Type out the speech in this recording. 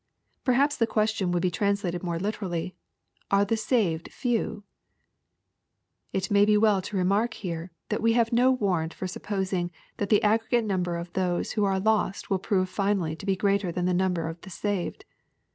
— ^Perhaps the question would be translated more literally, Are the saved few ?" It may be well to remark here, that wo have no warrant for sup posing that the aggregate number of those who are lost will prove finally to be greater than the number of the saved.